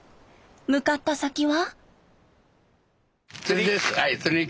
向かった先は。